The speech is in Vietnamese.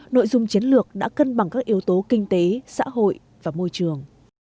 nội dung chiến lược đã cân bằng các yếu tố kinh tế xã hội và môi trường